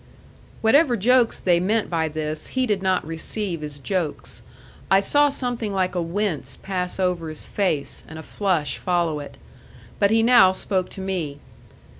Whatever jokes they meant by this he did not receive as jokes. I saw something like a wince pass over his face, and a flush follow it. But he now spoke to me.